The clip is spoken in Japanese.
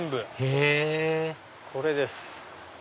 へぇこれです！